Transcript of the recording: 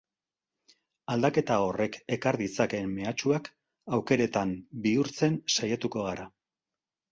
Aldaketa horrek ekar ditzakeen mehatxuak aukeretan bihurtzen saiatuko gara.